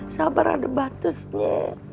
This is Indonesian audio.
sabar ada batasnya